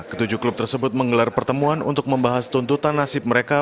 ketujuh klub tersebut menggelar pertemuan untuk membahas tuntutan nasib mereka